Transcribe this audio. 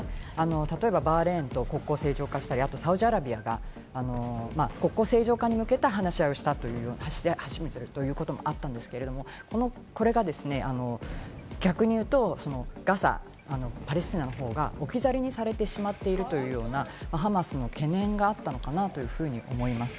例えばバーレーンと国交正常化したり、サウジアラビアが国交正常化に向けた話し合いをしたということもあったんですけれど、これが逆にいうと、ガザ、パレスチナのほうが置き去りにされてしまっているというようなハマスの懸念があったのかなというふうに思います。